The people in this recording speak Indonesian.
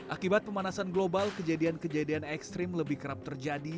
akibat pemanasan global kejadian kejadian ekstrim lebih kerap terjadi